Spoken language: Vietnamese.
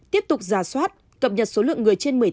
tiếp tục giả soát cập nhật số lượng người trên một mươi tám